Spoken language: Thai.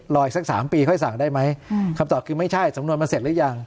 อีกสัก๓ปีค่อยสั่งได้ไหมคำตอบคือไม่ใช่สำนวนมันเสร็จหรือยัง